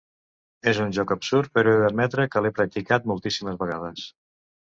És un joc absurd, però he d'admetre que l'he practicat moltíssimes vegades.